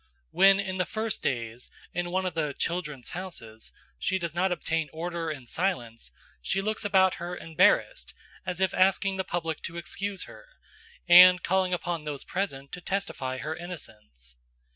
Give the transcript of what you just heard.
When in the first days in one of the "Children's Houses" she does not obtain order and silence, she looks about her embarrassed as if asking the public to excuse her, and calling upon those present to testify her innocence.